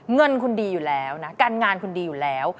เงินคุณดีอยู่แล้วนะการงานคุณดีอยู่แล้ว